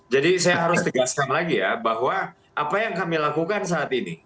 jadi saya harus tegaskan lagi ya bahwa apa yang kami lakukan saat ini